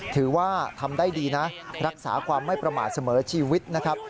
ถือว่าทำได้ดีนะรักษาความไม่ประมาทเสมอชีวิตนะครับ